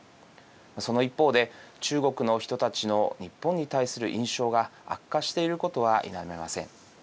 その一方で、中国の人たちの日本に対する印象が悪化していることは否めません。